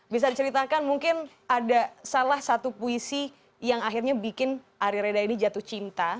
bisa diceritakan mungkin ada salah satu puisi yang akhirnya bikin ari reda ini jatuh cinta